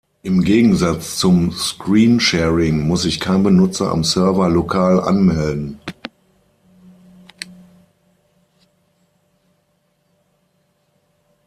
Im Gegensatz zum Screen-Sharing muss sich kein Benutzer am Server lokal anmelden.